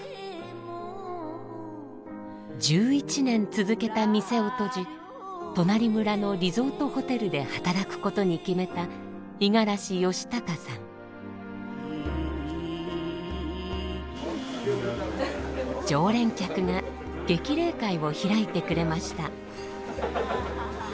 １１年続けた店を閉じ隣村のリゾートホテルで働くことに決めた常連客が激励会を開いてくれました。